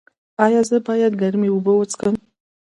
ایا زه باید ګرمې اوبه وڅښم؟